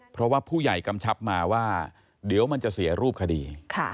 เพราะว่าผู้ใหญ่กำชับมาว่าเดี๋ยวมันจะเสียรูปคดี